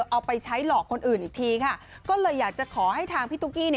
เอาไปใช้หลอกคนอื่นอีกทีค่ะก็เลยอยากจะขอให้ทางพี่ตุ๊กกี้